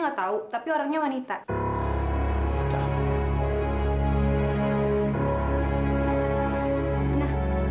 muka gitu dok tapi yang di sebelahnya